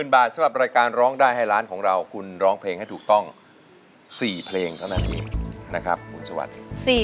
บาทสำหรับรายการร้องได้ให้ร้านของเราคุณร้องเพลงให้ถูกต้อง๔เพลงเท่านั้นเองนะครับคุณสวัสดิ์